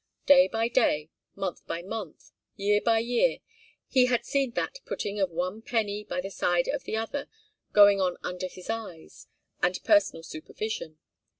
Day by day, month by month, year by year, he had seen that putting of one penny by the side of the other going on under his eyes and personal supervision.